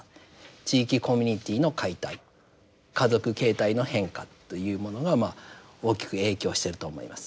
地域コミュニティーの解体家族形態の変化というものが大きく影響していると思います。